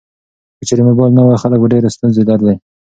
که چیرې موبایل نه وای، خلک به ډیر ستونزې لرلې.